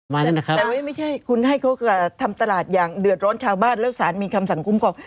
แต่ไม่ใช่คุณให้เขาทำตลาดอย่างเดือดร้อนชาวบ้านแล้วสารมีคำสั่งคุ้มครอง